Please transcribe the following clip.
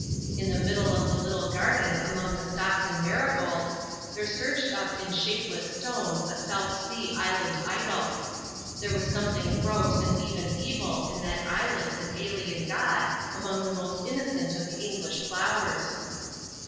In the middle of the little garden among the stocks and marigolds there surged up in shapeless stone a South Sea Island idol. There was something gross and even evil in that eyeless and alien god among the most innocent of the English flowers.